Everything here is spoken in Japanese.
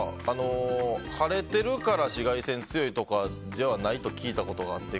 晴れてるから紫外線強いとかではないと聞いたことがあって。